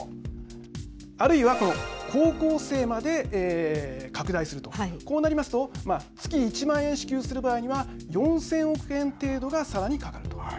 あるいは、この高校生まで拡大すると、こうなりますと月１万円支給する場合には４０００億円程度がさらにかかると。